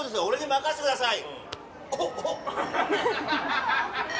任せてください。